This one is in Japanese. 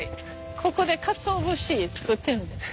ここでかつお節作ってるんですか？